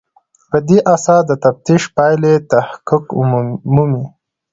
په دې اساس د تفتیش پایلې تحقق مومي.